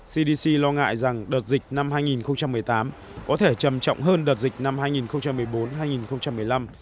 cdc lo ngại rằng đợt dịch năm hai nghìn một mươi tám có thể trầm trọng hơn đợt dịch năm hai nghìn một mươi bốn hai nghìn một mươi năm